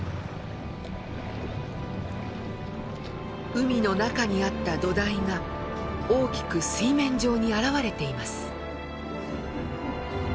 海の中にあった土台が大きく水面上に現れています。